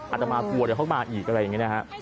อาตมากลัวเดี๋ยวเขามาอีกอะไรอย่างนี้นะฮะ